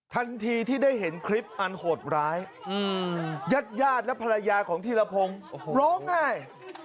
ทันทีที่ได้เห็นคลิปอันโหดร้ายญาติญาติและภรรยาของธีรพงศ์ร้องไห้